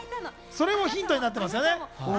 それもヒントになっていますよね。